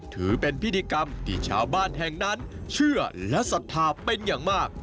ถือเป็นพิธีกรรมที่ชาวบ้านแห่งนั้นเชื่อและศรัทธาเป็นอย่างมาก